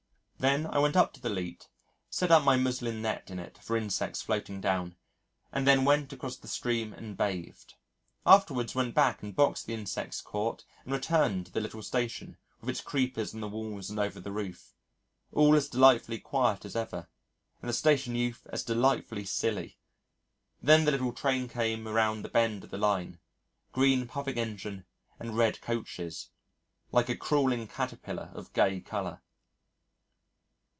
Then I went up to the leat, set up my muslin net in it for insects floating down, and then went across to the stream and bathed. Afterwards, went back and boxed the insects caught, and returned to the little station, with its creepers on the walls and over the roof, all as delightfully quiet as ever, and the station youth as delightfully silly. Then the little train came around the bend of the line green puffing engine and red coaches, like a crawling caterpillar of gay colour.